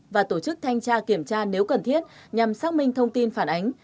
và tổ chức thanh tra kiểm tra nếu cần thiết nhằm xác minh thông tin phản ánh